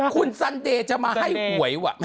คุณซันเดย์จะมาให้หวยว่ะ